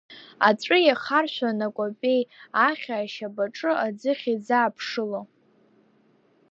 Аҵәы иахаршәын акәапеи ахьа ашьапаҿы аӡыхь иӡааԥшыло.